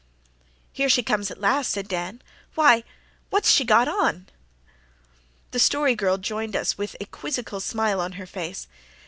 "Here she comes at last," said Dan. "Why what's she got on?" The Story Girl joined us with a quizzical smile on her face.